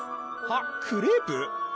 はっクレープ？